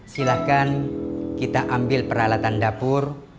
silahkan kita ambil peralatan dapur